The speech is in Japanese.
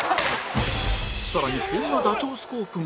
更にこんなダチョウスコープも